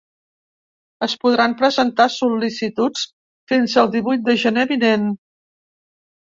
Es podran presentar sol·licituds fins al divuit de gener vinent.